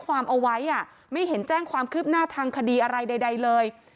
ความเอาไว้ไม่เห็นแจ้งความคืบหน้าทางคดีอะไรใดเลย